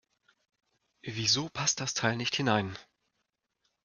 Wieso passt das Teil nicht hinein?